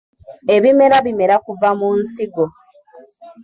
Ebimera bimera kuva mu nsigo.